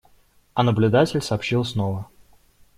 А наблюдатель сообщил снова.